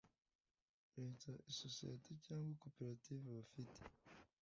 leta isosiyete cyangwa koperative bifite